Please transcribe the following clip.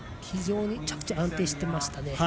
非常に着地安定していましたね。